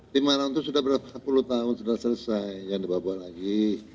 di mana itu sudah berapa puluh tahun sudah selesai jangan dibawa bawa lagi